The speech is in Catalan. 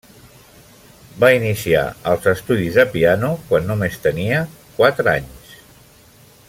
Va iniciar els estudis de piano quan només tenia quatre anys.